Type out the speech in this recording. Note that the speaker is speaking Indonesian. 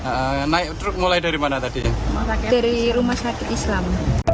berikut naik truk naik truk mulai dari mana tadi dari rumah sakit islam